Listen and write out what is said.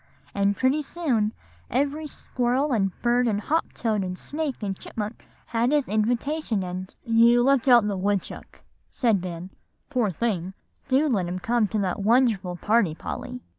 And pretty soon every squirrel and bird and hop toad and snake and chipmunk had his invitation, and" "You left out the woodchuck," said Ben; "poor thing, do let him come to that wonderful party, Polly."